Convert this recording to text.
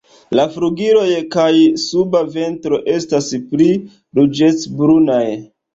La flugiloj kaj suba ventro estas pli ruĝecbrunaj.